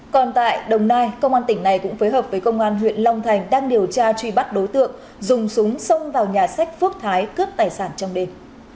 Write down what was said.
còn tại đồng nai công an tỉnh này cũng phối hợp với công an huyện long thành đang điều tra truy bắt đối tượng dùng súng xông vào nhà sách phước thái cướp tài sản trong đêm